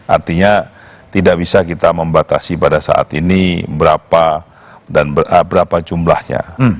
artinya tidak bisa kita membatasi pada saat ini berapa dan berapa jumlahnya